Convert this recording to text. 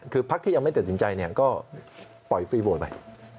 คือพักที่ยังไม่ตัดสินใจก็ปล่อยฟรีโวทไป